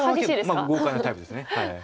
まあ豪快なタイプです。